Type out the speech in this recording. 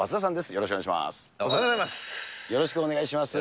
よろしくお願いします。